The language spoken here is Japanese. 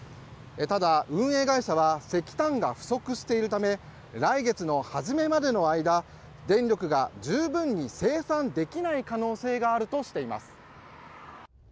ただ、運営会社は石炭が不足しているため来月のはじめまでの間電力が十分に生産できない可能性があるとしています。